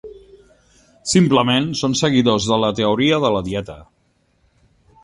Simplement són seguidors de la teoria de la dieta.